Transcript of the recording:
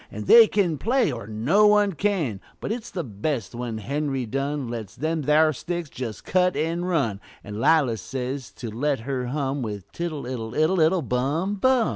(An' they can play, er no one can); But it's the best when Henry Dunn Lets them there sticks just cut an' run, An' 'Lijah says to let her hum With "Tiddle iddle iddle iddle Bum Bum!"